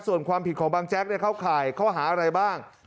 ส่วนความผิดของบางแจ๊กเข้าข่ายข้อหาอะไรบ้าง